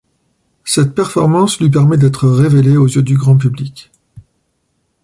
Cette performance lui permet d'être révélée aux yeux du grand public.